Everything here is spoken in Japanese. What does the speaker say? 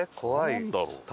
なんだろう？